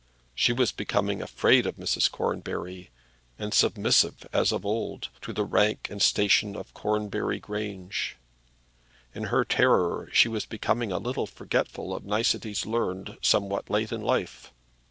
She was becoming afraid of Mrs. Cornbury, and submissive, as of old, to the rank and station of Cornbury Grange. In her terror she was becoming a little forgetful of niceties learned somewhat late in life.